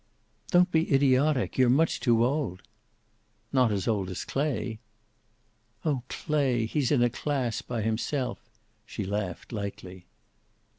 "Don't be idiotic. You're much too old." "Not as old as Clay." "Oh, Clay! He's in a class by himself." She laughed lightly.